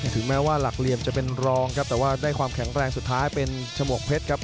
ถึงแม้ว่าหลักเหลี่ยมจะเป็นรองครับแต่ว่าได้ความแข็งแรงสุดท้ายเป็นฉมวกเพชรครับ